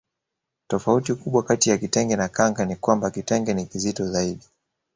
Tofauti kubwa kati ya kitenge na kanga ni kwamba kitenge ni kizito zaidi